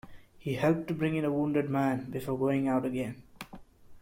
He helped to bring in a wounded man, before going out again.